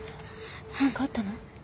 何かあったの？